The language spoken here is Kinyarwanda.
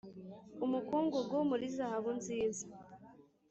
umukungugu muri zahabu nziza